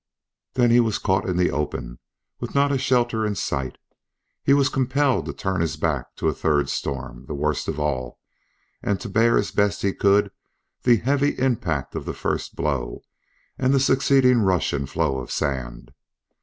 Then he was caught in the open, with not a shelter in sight. He was compelled to turn his back to a third storm, the worst of all, and to bear as best he could the heavy impact of the first blow, and the succeeding rush and flow of sand.